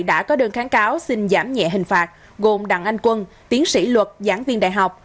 đã có đơn kháng cáo xin giảm nhẹ hình phạt gồm đặng anh quân tiến sĩ luật giảng viên đại học